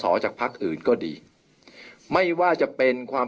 เพื่อยุดยั้งการสืบทอดอำนาจของขอสอชอต่อและยังพร้อมจะเป็นนายกรัฐมนตรี